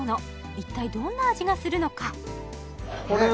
一体どんな味がするのか？